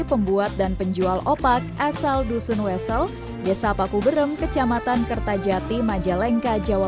pembuat dan penjual opak asal dusun wesel desa paku bereng kecamatan kertajati majalengka jawa